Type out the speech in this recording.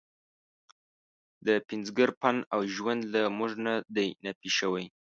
د پنځګر فن او ژوند له موږ نه دی نفي شوی.